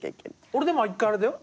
俺でも一回あれだよ。